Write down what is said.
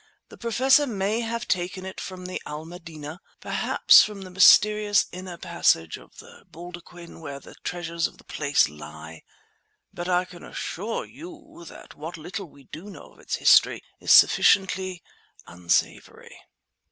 "The Professor may have taken it from Al Madinah—perhaps from the mysterious inner passage of the baldaquin where the treasures of the place lie. But I can assure you that what little we do know of its history is sufficiently unsavoury."